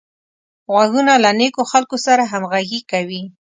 غوږونه له نېکو خلکو سره همغږي کوي